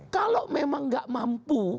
kalau memang gak mampu